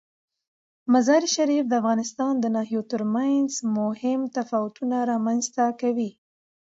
مزارشریف د افغانستان د ناحیو ترمنځ مهم تفاوتونه رامنځ ته کوي.